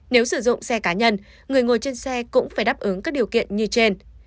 nếu sử dụng xe cá nhân người ngồi trên xe cũng phải đáp ứng các điều kiện như trên